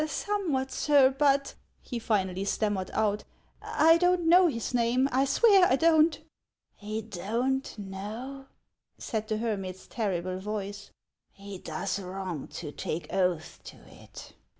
"Somewhat, sir; but," he finally stammered out, "I don't know his name, I swear I don't." " He don't know ?" said the hermit's terrible voice. "He docs wrong to take oath to it.